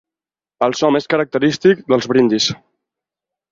El so més característic dels brindis.